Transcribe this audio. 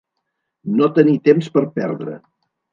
No tenir temps per perdre.